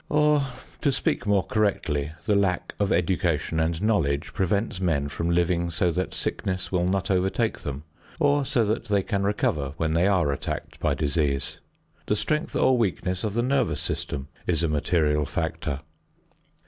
Or, to speak more correctly, the lack of education and knowledge prevents men from living so that sickness will not overtake them, or so that they can recover when they are attacked by disease. The strength or weakness of the nervous system is a material factor.